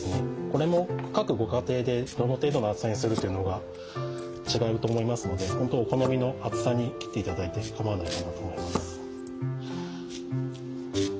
これも各ご家庭でどの程度の厚さにするというのが違うと思いますのでほんとお好みの厚さに切っていただいてかまわないと思います。